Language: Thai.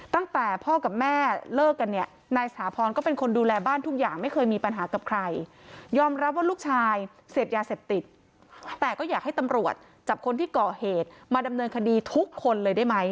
แต่ก็อยากให้ตำรวจจับคนที่ก่อเหตุมาดำเนินคดีทุกคนเลยได้ไหม